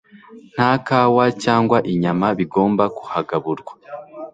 nta kawa cyangwa inyama bigomba kuhagaburwa